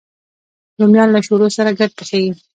رومیان له شولو سره ګډ پخېږي